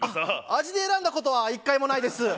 味で選んだことは１回もないです。